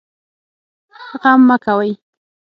غم مه کوئ